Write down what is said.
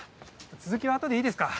続きは後でいいですか？